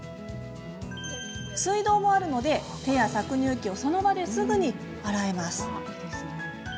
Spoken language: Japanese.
水道もあるので、手や搾乳器をその場ですぐに洗えます。